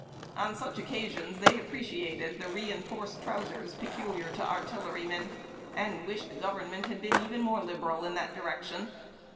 On such occasit)ns they appreciated the re enforced trousers peculiar to artillerymen, and wished government had been even more liberal in that direction.